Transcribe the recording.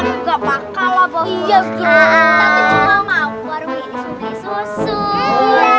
nggak bakal lah bau ustazah